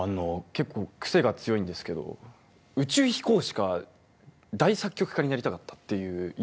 結構クセが強いんですけど宇宙飛行士か大作曲家になりたかったという夢はあった。